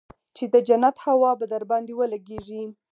چې د جنت هوا به درباندې ولګېږي.